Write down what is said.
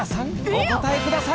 お答えください